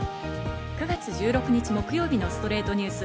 ９月１６日、木曜日の『ストレイトニュース』。